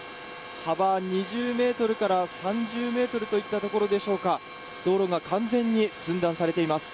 幅２０ｍから３０ｍといったところでしょうか道路が完全に寸断されています。